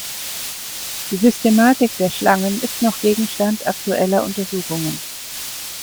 Die Systematik der Schlangen ist noch Gegenstand aktueller Untersuchungen.